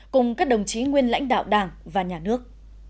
cùng các đồng chí nguyên lãnh đạo đảng và nhà nước